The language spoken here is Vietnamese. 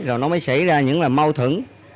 rồi nó mới xảy ra những là mau thửng